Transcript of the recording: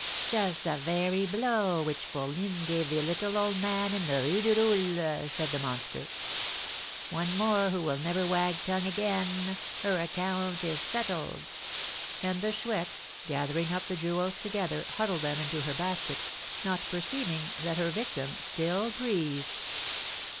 "Just the very blow which fourline gave the little old man in the Rue du Roule!" said the monster. "One more who will never wag tongue again! Her account is settled!" And the Chouette, gathering up the jewels together, huddled them into her basket, not perceiving that her victim still breathed.